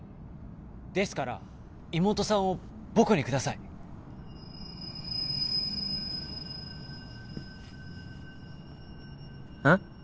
ですから妹さんを僕にくださいうん？